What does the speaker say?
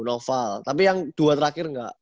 noval tapi yang dua terakhir nggak